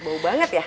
bau banget ya